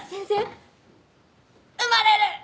生まれる！